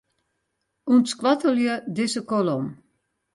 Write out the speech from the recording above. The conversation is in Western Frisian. Untskoattelje dizze kolom.